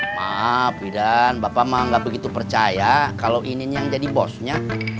maaf bidan bapak mah gak begitu percaya kalau ini yang jadi bosnya